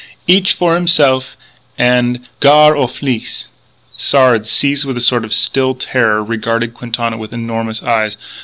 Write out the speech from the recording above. Each for himself and gar' aux flics!" Sard, seized with a sort of still terror, regarded Quintana with enormous eyes.